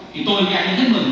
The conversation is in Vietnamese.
thì tôi thì anh ấy rất mừng